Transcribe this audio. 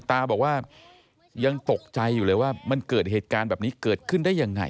ตาบอกว่ายังตกใจอยู่เลยว่ามันเกิดเหตุการณ์แบบนี้เกิดขึ้นได้ยังไง